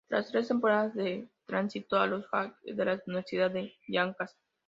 Tras tres temporadas, se transfirió a los "Jayhawks" de la Universidad de Kansas.